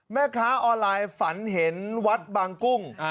แม่ค้าออนไลน์ฝันเห็นวัดบางกุ้ง